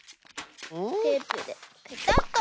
テープでペタッと。